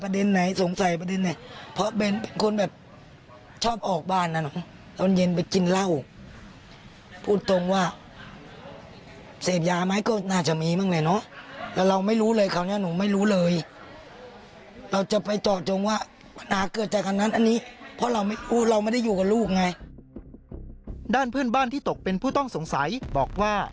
ด้านเพื่อนบ้านที่ตกเป็นผู้ต้องสงสัยบอกว่า